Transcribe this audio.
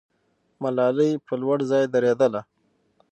ملالۍ په لوړ ځای درېدله.